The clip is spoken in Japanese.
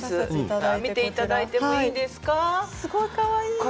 すごい、かわいい。